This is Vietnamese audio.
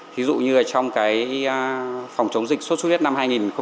thí dụ như trong cái phòng chống dịch số suyết năm hai nghìn một mươi bảy